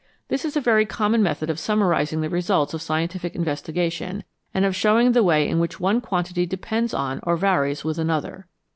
This is a very common method of summarising the results of scientific investi gation and of showing the way in which one quantity depends on or varies with another.